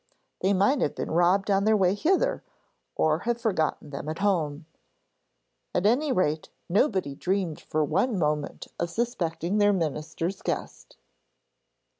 they might have been robbed on their way hither, or have forgotten them at home. At any rate, nobody dreamed for one moment of suspecting their minister's guest.